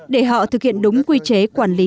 để họ thực hiện đúng quy chế quản lý